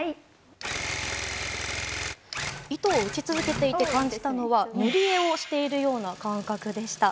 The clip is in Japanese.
糸を打ち続けていて感じたのは塗り絵をしているような感覚でした。